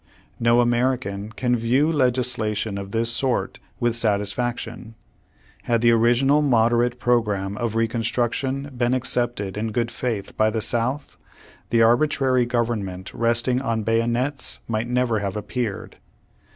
No American can view legislation of this sort with satisfaction. Had the original moderate program of Recon struction been accepted in good faith by the South, the arbitrary government resting on bayonets, might never have appeared.